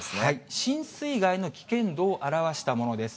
浸水害の危険度を表したものです。